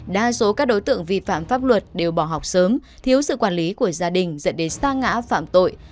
đa số các đối tượng vi phạm pháp luật đều bỏ học sớm thiếu sự quản lý của gia đình dẫn đến xa ngã phạm tội